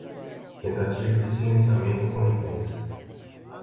Tentativa de silenciamento com a imprensa